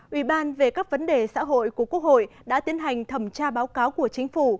ủy ban về các vấn đề xã hội của quốc hội đã tiến hành thẩm tra báo cáo của chính phủ